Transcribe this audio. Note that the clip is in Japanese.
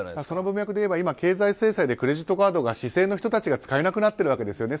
その文脈でいえば経済制裁でクレジットカードが市井の人たちが使えなくなっているんです。